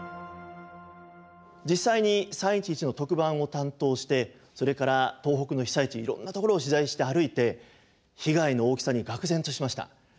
実際に３．１１の特番を担当してそれから東北の被災地いろんなところを取材して歩いて被害の大きさにがく然としました。